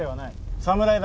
侍だ。